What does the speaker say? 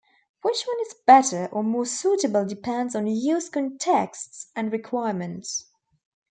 Which one is better or more suitable depends on use contexts and requirements.